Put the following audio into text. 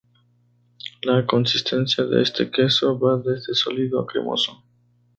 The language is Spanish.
La consistencia de este queso va desde sólido a cremoso.